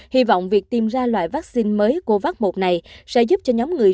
hy vọng việc tiêm ra loại vaccine mới covax một này sẽ giúp cho nhóm người